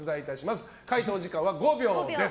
解答時間は５秒です。